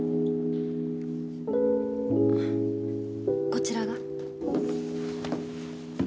こちらが？